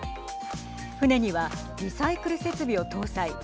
船には、リサイクル設備を搭載。